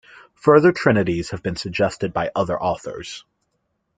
Further trinities have been suggested by other authors.